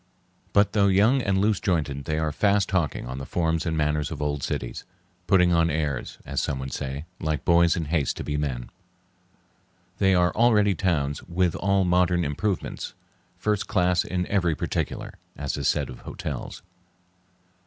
But, though young and loose jointed, they are fast taking on the forms and manners of old cities, putting on airs, as some would say, like boys in haste to be men. They are already towns "with all modern improvements, first class in every particular," as is said of hotels.